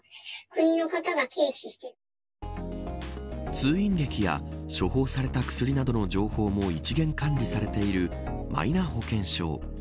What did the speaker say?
通院歴や処方された薬などの情報も一元管理されているマイナ保険証。